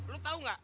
lu tau nggak